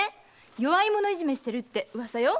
弱い者いじめしてるって噂よ。